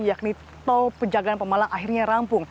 yakni tol pejagaan pemalang akhirnya rampung